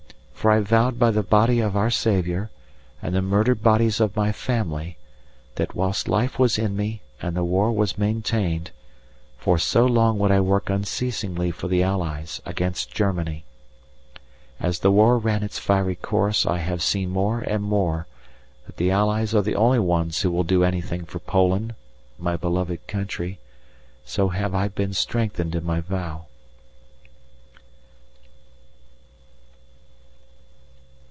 For I vowed by the body of our Saviour and the murdered bodies of my family that, whilst life was in me and the war was maintained, for so long would I work unceasingly for the Allies against Germany. As the war ran its fiery course, I have seen more and more that the Allies are the only ones who will do anything for Poland, my beloved country, so have I been strengthened in my vow.